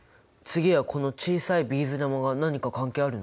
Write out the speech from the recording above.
次はこの小さいビーズ玉が何か関係あるの？